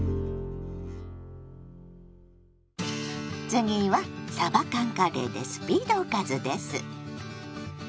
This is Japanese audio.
次はさば缶カレーでスピードおかずです。